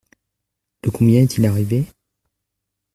Le combien est-il arrivé ?